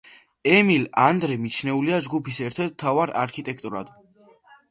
ემილ ანდრე მიჩნეულია ჯგუფის ამ ერთ-ერთ მთავარ არქიტექტორად.